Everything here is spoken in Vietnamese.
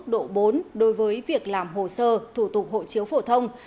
độ bốn đối với việc làm hồ sơ thủ tục hộ chiếu phổ thông